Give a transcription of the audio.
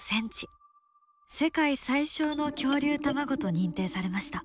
世界最小の恐竜卵と認定されました。